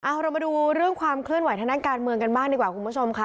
เอาเรามาดูเรื่องความเคลื่อนไหวทางด้านการเมืองกันบ้างดีกว่าคุณผู้ชมค่ะ